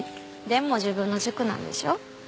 でも自分の塾なんでしょう？